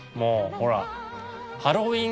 ほら。